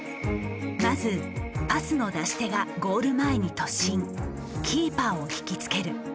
まずパスの出し手がゴール前に突進キーパーを引き付ける。